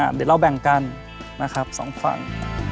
เดี๋ยวเราแบ่งกันสองฝั่ง